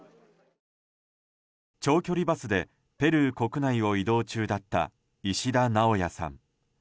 長距離バスでペルー国内を移動中だった、石田直也さん。